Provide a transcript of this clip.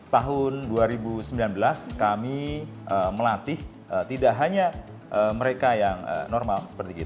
tahun dua ribu sembilan belas kami melatih tidak hanya mereka yang normal